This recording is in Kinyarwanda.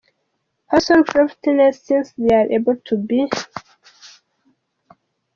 person privateness since they’re able to be .